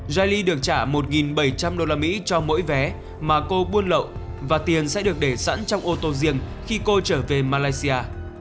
jili được trả một bảy trăm linh usd cho mỗi vé mà cô buôn lậu và tiền sẽ được để sẵn trong ô tô riêng khi cô trở về malaysia